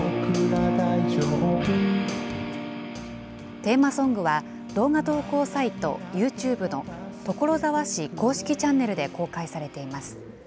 テーマソングは、動画投稿サイト、ユーチューブの所沢市公式チャンネルで公開されています。